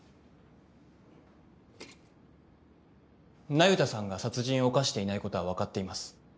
那由他さんが殺人を犯していないことは分かっています。